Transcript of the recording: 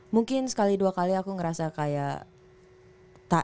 mungkin sekali dua kali aku ngerasa kayak takut